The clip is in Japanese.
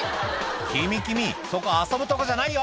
君君そこ遊ぶとこじゃないよ